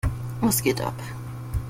Was geht ab?